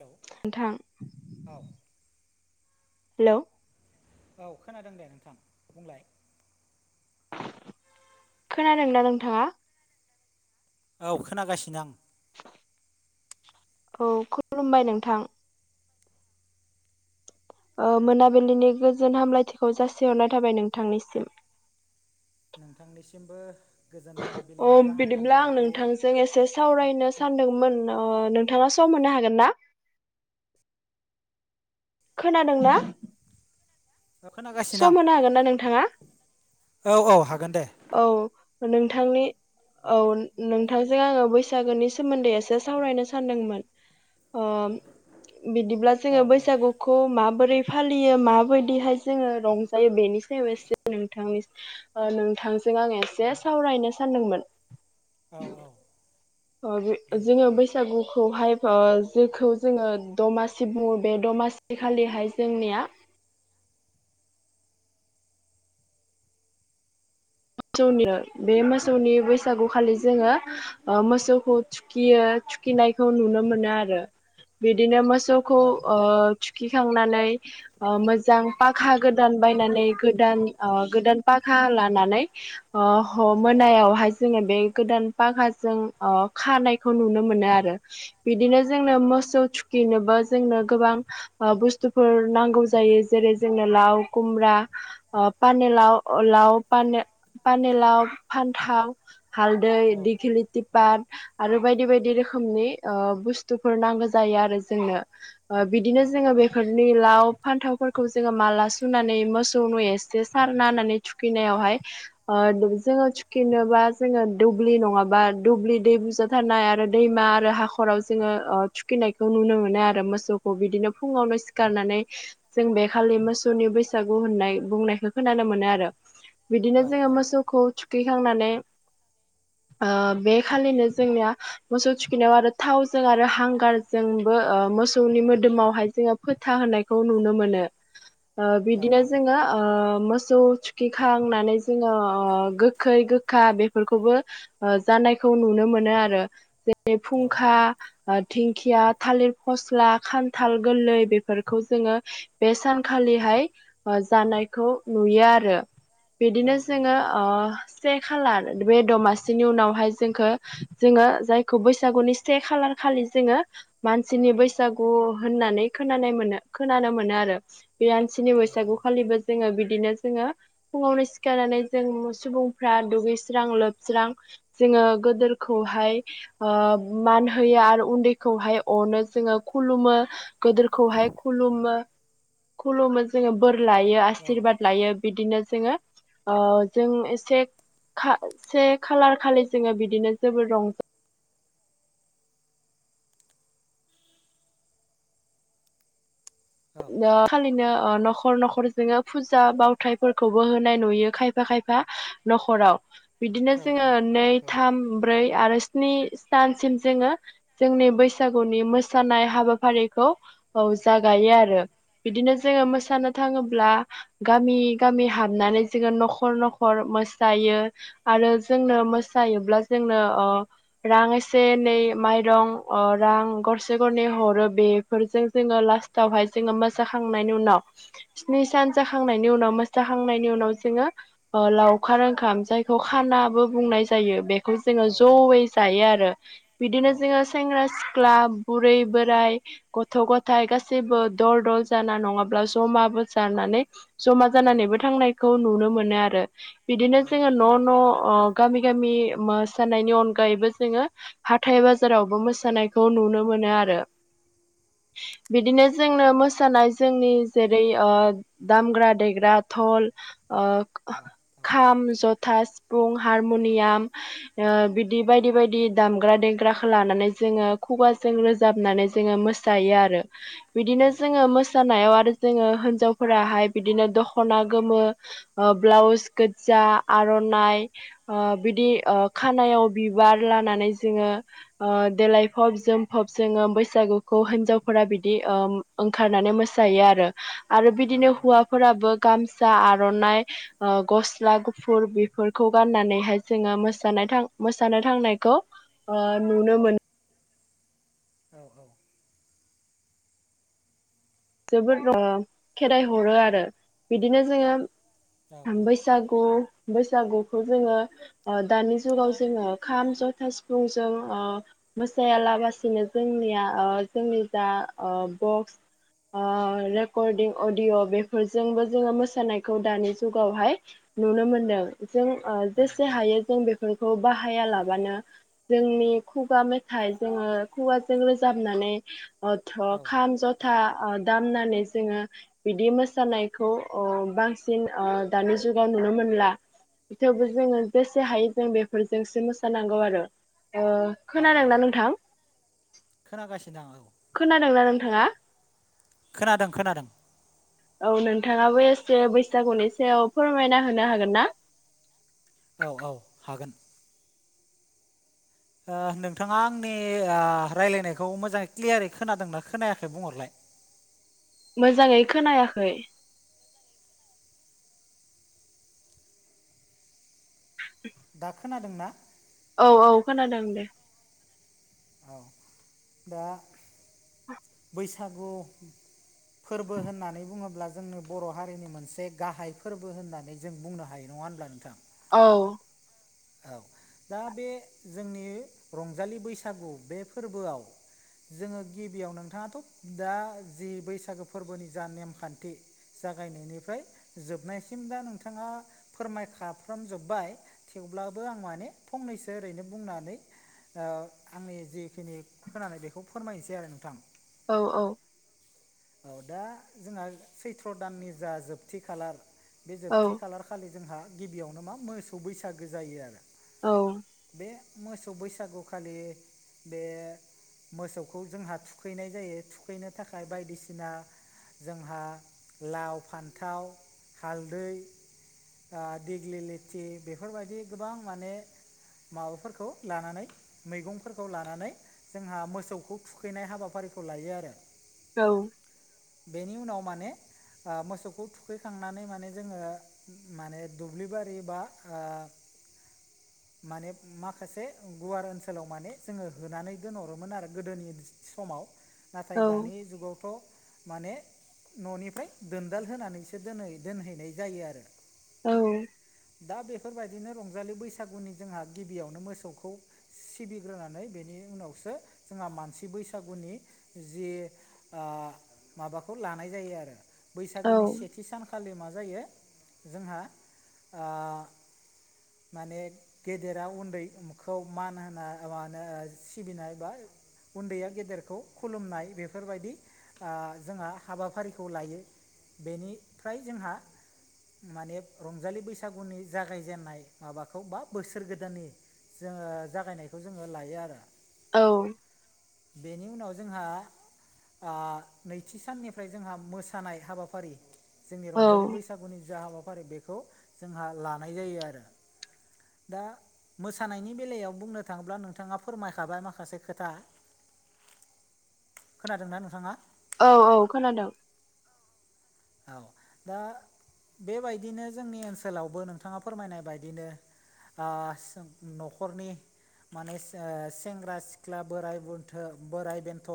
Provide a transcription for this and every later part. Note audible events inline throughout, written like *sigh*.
Hello नोंथां। औ hello औ खोनादों दे नोंथां बुंलाय? खोनादों ना नोंथाङा? औ खोनागासिनो आं। औ खुलुमबाय नोंथां। ओ मोनाबिलिनि गोजोन हामलायथिखौ जासिहरनाय थाबाय नोंथांनिसिम। नोंथांनिसिमबो गोजोन मोनाबिलिनि गाहाम हामग्लायनायखौ जों एसे सावरायनो सानदोंमोन। ओ नोंथाङा सम होनो हागोन ना? खोनादों ना? औ खोनागासिनो होनो हागोन ना नोंथाङा आं औ औ हागोन दे। औ नोंथांनि औ नोंथांजों आङो बैसागोनि सोमोन्दै एसे सावरायनो सानदोंमोन। अ बिदिब्ला जोङो औ औ बैसागु खौ माबोरै फालियो माबायदिहाय जोङो रं जायो बेनि सायाव एसे नोंथांनि ओ नों थांजों आं एसे सावरायनो सानदोंमोन। औ औ अ बे दे जोङो बै बैसागुखौहाय ओ जेखौ जोङो दमासि बुङो बे दमासि खालिहाय जोंनिया *unintelligible* बे मोसौनि बैसागु खालि जोङो ओ मोसौखौ थुखियो थुखिनायखौ नुनो मोनो आरो बिदिनो मोसौ खौ औ औ ओ थुखिखांनानै ओ मोजां पाखा गोदान बायनानै गोदान ओ गोदान पाखा लानानै ओ ह औ मोनायावहाय जोङो बे गोदान पाखाजों ओ खानायखौ नुनो मोनो आरो। बिदिनो जोंनो मोसौ थुखिनोबो जोंनो गोबां ओ बुस्थुफोर नांगौ जायो जेरै जोंनो लाव खुमब्रा ओ पानेलाव ओ‌ लाव पाने पानेलाव फान्थाव हालदै औ दिखिलिटि औ पात आरो बायदि बायदि रोखोमनि ओ बुस्तुफोर नांगौ जायो आरो जोंनो। ओ औ बिदिनो जोंङो बे बेफोरनि लाव फान्थावफोरखौ जोङो माला सुनानै मोसौनो एसे सारना होनानै थुख थुखैनायावहाय ओ जोङो थुखिनोबा जोङो दुब्लि नङाबा दुब्लि दै बुजा थानाय आरो दैमा आरो हाखराव जोङो ओ थुखिनायखौ नुनो मोनो आरो मोसौखौ बिदिनो फुङावनो सि खारनानै जों बे खालि मोसौनि बैसागु होननाय बुंनायखौ खोनानो मोनो आरो। बिदि औ जोङो औ मोसौखौ थुखैखांनानै ओ बे खालिनो जोंनिया मोसौ थुखैनायाव आरो थावजों आरो हांगारजोंबो ओ मोसौनि मोदोमावहाय जोङो फोथा होनायखौ नुनो मोनो। ओ बिदिनो औ जोङो ओ मोसौ थुखिखांनानै जोङो ओ गोखै गोखा बेफोरखौबो ओ जानायखौ नुनो मोनो आरो जेरै खुंखा धिंखिया, थालिर फस्ला, खान्थाल गोरलै बेफोरखौ जोङो बे सानखालिहाय ओ जानायखौ नुयो आरो बिदिनो जोङो ओ से खालार बे दमासिनि उनावहाय जोंखौ जोङो जायखौ बैसागुनि से खालार खालि जोङो मानसिनि बैसागु होननानै खोनानाय मोनो खोनानो मोनो आरो। बे मानसिनि बैसागुखालिबो जोङो बिदिनो जोङो फुङावनो सि सिखारनानै जों सुबुंफ्रा दुगैस्रां लोबस्रां जोङो गोदोरखौहाय ओ मान होयो आरो उन्दैखौहाय अनो जोङो खुलुमो। गोदोरखौहाय खुलुमो, खुलुमो जोङो बोर लायो आसशिरबाद लायो। बिदिनो जोङो ओ जों एसे खा से खालार खालि जोङो बिदिनो जोबोद रंजा ओ खालिनो ओ न'खर न'खर जोङो फुजा बावथायफोरखौबो होनाय नुयो, खायफा खायफा न'खराव बिदिनो जोङो नै थाम आमफ्राय आरो स्नि सानसिम जोङो जोंनि बैसागुनि मोसानाय हाबाफारिखौ औ जागायो आ रो बिदिनो जोङो मोसानो थाङोब्ला गामि गामि हाबनानै जोङो न'खर न'खर मोसायो। आरो जोंनो मोसायोब्ला जोंनो ओ रां एसे नै माइरं ओ रां गरसे गरनै हरो बे बेफोरजों जोङो लास्टावहाय जोङो मोसाखांनायनि उनाव स्नि सान जाखांनायनि उनाव मोसाखांनायनि उनाव जोङो ओ लावखार ओंखाम जायखौ खानाबो बुंनाय जायो। बे खौ जोङो जयै जायो आरो। बिदिनो जोङो सेंग्रा सिख्ला, बुरै बोराय, गथ' गथाइ गासैबो दल दल जाना नङाब्ला जमाबो जानानै जमा जानानैबो थांनाय खौ नुनो मोनो आरो। बिदिनो जोङो न' न' अ गामि गामि मोसानायनि अनगायैबो जोङो हाथाय बाजारावबो मोसानायखौ नुनो मोनो आरो। बिदिनो जोंनो मोसानाय जोंनि जेरै ओ दामग्रा देग्रा धल ओ खाम, जथा, सिफुं, हारमनियाम ओ बिदि बायदि बायदि दामग्रा देग्राखो लानानै जोङो खुगाजों रोजाबनानै जोङो मोसा सायो आरो बिदिनो जोङो मोसा जानायाव आरो जोङो हिनजावफोराहाय बिदिनो दख'ना गोमो ओ ब्लाउस गोजा आर'नाइ ओ बिदि ओ खानायाव बिबार लानानै जोङो ओ देलायफब जोमफब जोङो बैसागुखौ हिनजावफोरा बिदि ओम ओंखारनानै मोसायो आरो। आरो बिदिनो हौवा फोराबो गामसा आर'नाइ ओ गस्ला गुफुर बेफोरखौ गाननानैहाय जोङो मोसानाय थां मोसानो थांनायखौ ओ नुनो मोन औ औ। जोबोद ओ खेदाय हरो आरो बिदिनो जोङो बैसागु बैसागुखौ जोङो दानि जुगाव जोङो खाम जथा सिफुंजों ओ मोसायालाबासिनो जोंनिया जोंनि जा ओ बक्स ओ रेकर्डिं अडिय' बेफोरजोंबो जोङो मोसानायखौ दानि जुगावहाय नुनो मोनदों जों ओ जेसे हायो जों बेफोरखौ बाहाया लाबानो जोंनि खुगा मेथाइ जोङो खुगाजों रोजाबनानै अथ' औ औ खाम जथा ओ दामनानै जोङो बिदि मोसानायखौ ओ बांसिन ओ दानि जुगाव नुनो मोनला। थेवबो जोङो जेसे हायो जों बेफोरजोंसो मोसानांगौ आरो ओ औ औ खोनादोंना औ नोंथां खोनागासिनो औ। खोनादोंना नोंथाङा? खोनादों खोनादों। औ नोंथाङाबो एसे बैसागुनि एसे फोरमायना होनो हागोन ना? औ औ हागोन। नोंथाङा आंनि ओ रायज्लायनायखौ मोजाङै क्लियारै खोनादोंना खोनायाखै बुंहरलाय। मोजाङै खोनायाखै। दा खोनादों ना? औ औ खोनादों दे। औ दा बैसागु फोरबो होननानै बुङोब्ला जोंनि बर' हारिनि मोनसे गाहाय फोरबो होननानै बुंनो हायो नङा होनब्ला नोंथां? औ। औ दा बे जोंनि रंजालि बैसागु बे फोरबोआव जोङो गिबियाव नोंथाङाथ' दा जि बैसागो फोरबोनि जा नेमखान्थि जागायनायनिफ्राय जोबनायसिम दा नोंथाङा फोरमायखाफ्रामजोब्बाय। थेवब्लाबो आं माने फंनैसो ओरैनो बुंनानै ओ आंनि जिखिनि खोनानाय बेखौ फोरमायनोसै आरो नोंथां। औ औ। औ दा जोंहा सैथ्र' दाननि जा जोबथि खालार बे औ जोबथि खालारखालि जोंहा गिबियावनो मा मोसौ बैसागो जायो आरो। औ‌। बे मोसौ बैसागुखालि बे मोसौखौ जोंहा थुखैनाय जायो थुखैनो थाखाय बायदिसिना जोंहा लाव फान्थाव हालदै ओ दिग्लिलिथि बेफोरबायदि गोबां माने माबाफोरखौ लानानै मैगंफोरखौ लानानै जोंहा मोसौखौ थुखैनाय हाबाफारिखौ लायो आरो। औ। बेनि उनाव माने ओ मोसौखौ थुखैखांनानै माने जोङो माने दुब्लि बारि बा ओ *inaudible* माने माखासे गुवार ओनसोलाव माने जोंङो होनानै दोनहरोमोन आरो गोदोनि समाव नाथाय दानि जुगावथ' माने न'निफ्राय दोनदाल होनानैसो दोनहै दोनहैनाय जायो आरो औ दा बेफोरबायदिनो रंजालि बैसागुनि जोंहा गिबियावनो मोसौखौ सिबिग्रोनानै बेनि उनावसो जोंहा मानसि बैसागुनि जि ओ माबाखौ लानाय जायो आरो बैसागोनि सेथि सानखालि मा जायो जोंहा आ माने। गेदेरा उन्दैखौ मान होनाय माहोनो सिबिनाय बा। उन्दैया गेदेरखौ खुलुमनाय बेफोरबायदि। ओ जोंहा हाबाफारिखौ लायो बेनिफ्राय जोंहा। माने रंजालि बैसागुनि जागायजेननाय माबाखौ बा बोसोर गोदाननि। जोंङो जागायनायखौ जोंङो लायो आरो। औ। बेनि उनाव जोंहा। अह नैथि साननिफ्राय जोंहा मोसानाय हाबाफारि। जोंनि औ रंजालि बैसागुनि जा हाबाफारि बेखौ जोंहा लानाय जायो आरो। दा। मोसानायनि बेलायाव बुंनो थाङोब्ला नोंथाङा फोरमायखाबाय माखासे खोथा। खोनादोंना नोंथाङा। औ औ खोनादों। औ दा बेबायदिनो जोंनि ओनसोलावबो नोंथाङा फोरमायनाय बायदिनो। आह सोब न'खरनि। माने सेंग्रा सिख्ला बोराइ बथ बोराइ बेन्थ'।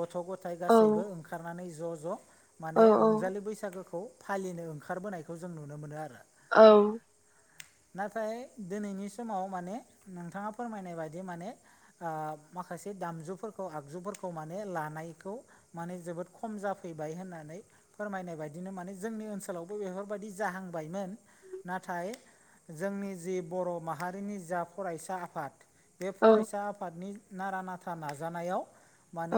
गथ' गथाय औ गासैबो ओंखारनानै ज' ज' औ माने रंजालि। बैसागोखौ फालिनो ओंखारबोनायखौ जों नुनो मोनो आरो। औ। नाथाय दिनैनि समाव माने नोंथाङा फोरमायनाय बायदि माने। ओ माखासे दामजुफोरखौ आगजुफोरखौ माने लानायखौ। माने जोबोद खम जाफैबाय होननानै फोरमायनाय। बेबायदिनो माने जोंनि ओनसोलावबो बेफोरबायदि जाहांबायमोन नाथाय। जोंनि जि बर' माहारिनि जा फरायसा आफाद। बे औ फरायसा आफादनि नारा नाथा नाजानायाव।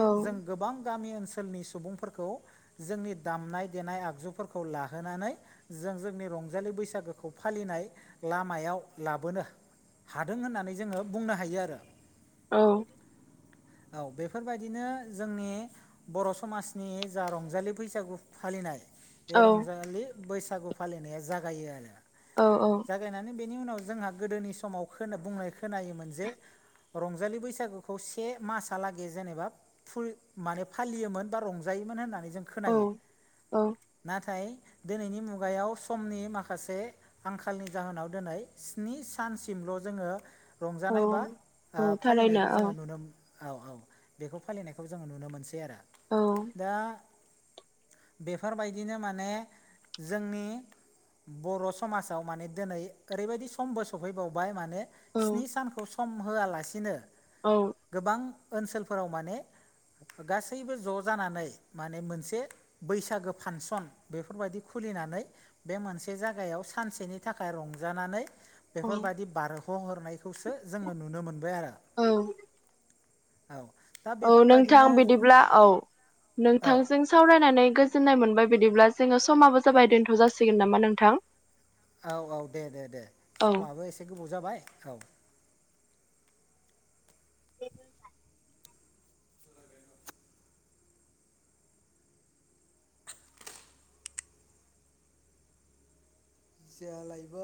औ जों गोबां गामि ओनसोलनि सुबुंफोरखौ जोंनि दामनाय। देनाय आगजुफोरखौ लाहोनानै। जों जोंनि रंजालि बैसागोखौ फालिनाय लामायाव लाबोनो। हादों होननानै जोङो बुंनो हायो आरो। औ। औ बेफोरबायदिनो जोंनि बर' समाजनि जा रंजालि बैसागु। फालिनाय बे रंजालि बैसागु फालिनाया जागायो आरो। औ औ। जागायनानै बेनि उनाव जोंहा गोदोनि समाव बुंनाय खोनायोमोन जे। रंजालि बैसागुखौ से मासहालागै जेनेबा फुल माने फालियोमोन बा रंजायोमोन होननानै जों खोनायो। औ। नाथाय दिनैनि मुगायाव समनि माखासे आंखालनि जाहोनाव दिनै स्नि सानसिमल' जोङो औ रंजानाय बा औ थारैनो फालिनायखौ ओ औ जोङो नुनो मोनो औ औ बेखौ फालिनायखौ जोङो नुनो मोनसै आरो औ दा बेफोरबायदिनो माने जोंनि बर' समाजाव माने दिनै ओरैबायदि समबो सफैबावबाय माने औ स्नि सानखौ सम होआलासिनो औ। गोबां ओनसोलफोराव माने गासैबो ज' जानानै माने मोनसे बैसागो फांसन बेफोरबायदि खुलिनानै बे मोनसे जायागायाव सानसेनि थाखाय रंजानानै औ बेफोरबायदि बारह'हरनायखौसो जोङो नुनो मोनबाय आरो। औ दा औ नोंथां बेफोरबायदिनो बिदिब्ला औ औ नोंथांजों सावरायनानै गोजोननाय मोनबाय बिदिब्ला जोङो समाबो जाबाय दोनथ' जासिगोन नामा नोंथां औ औ दे दे दे औ समाबो एसे गोबाव जाबाय औ *inaudible* *unintelligible* जया लाइबा *unintelligible*